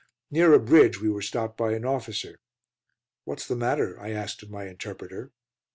Near a bridge we were stopped by an officer. "What's the matter?" I asked of my interpreter.